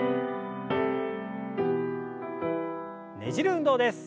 ねじる運動です。